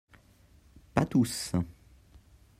Pas tous